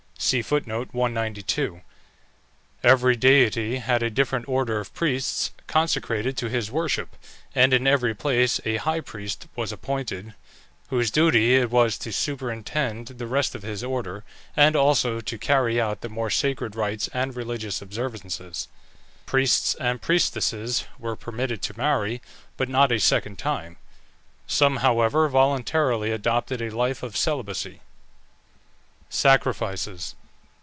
Every deity had a different order of priests consecrated to his worship, and in every place a high priest was appointed, whose duty it was to superintend the rest of his order, and also to carry out the more sacred rites and religious observances. Priests and priestesses were permitted to marry, but not a second time; some, however, voluntarily adopted a life of celibacy. SACRIFICES.